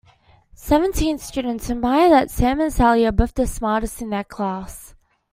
Seventeen students admired that Sam and Sally are both the smartest in their class.